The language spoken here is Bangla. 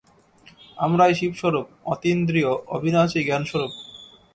আমরাই শিবস্বরূপ, অতীন্দ্রিয়, অবিনাশী জ্ঞানস্বরূপ।